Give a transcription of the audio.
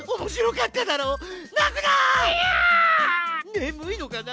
ねむいのかな？